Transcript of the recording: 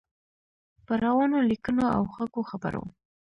په روانو لیکنو او خوږو خبرو.